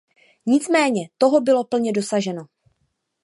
Nicméně toho bylo plně dosaženo.